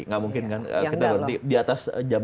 nggak mungkin kan kita berhenti di atas jam